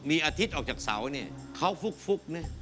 มีอาทิตย์ออกจากเสาเนี่ยเขาฟุกนะ